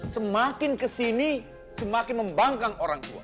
semakin kesini semakin membangkang orang tua